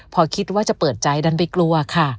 พอคิดว่าจะเปิดใจดันไปกลัวค่ะ